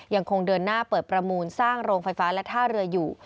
ยังคงเดินหน้าเปิดประมูลสร้างโรงไฟฟ้าและท่าเรืออยู่